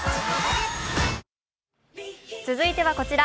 続いてはこちら。